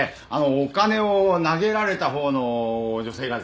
お金を投げられたほうの女性がですね